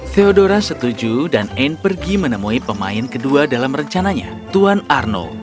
theodora setuju dan anne pergi menemui pemain kedua dalam rencananya tuan arnol